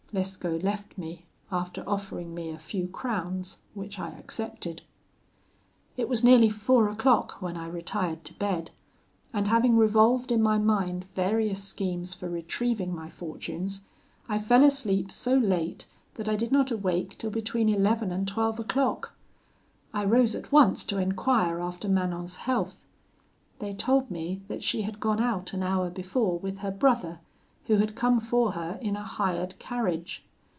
Lescaut left me, after offering me a few crowns which I accepted. "It was nearly four o'clock when I retired to bed; and having revolved in my mind various schemes for retrieving my fortunes, I fell asleep so late that I did not awake till between eleven and twelve o'clock. I rose at once to enquire after Manon's health; they told me that she had gone out an hour before with her brother, who had come for her in a hired carriage.